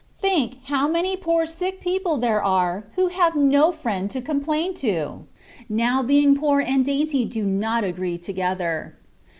Think, how many poor sick people there are, who have no friend to complain to : now being poor and dainty do not agree together.